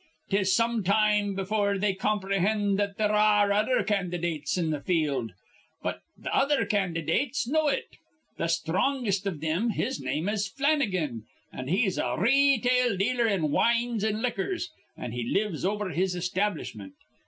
"'Tis some time befure they comprehind that there ar re other candydates in th' field. But th' other candydates know it. Th' sthrongest iv thim his name is Flannigan, an' he's a re tail dealer in wines an' liquors, an' he lives over his establishment.